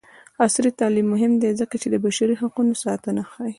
عصري تعلیم مهم دی ځکه چې د بشري حقونو ساتنه ښيي.